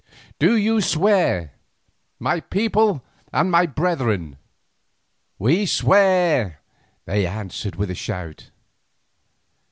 Do you swear, my people and my brethren?" "We swear," they answered with a shout.